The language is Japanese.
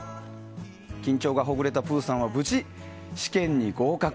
緊張がほぐれたぷぅさんは無事、試験に合格。